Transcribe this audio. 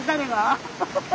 アハハハ。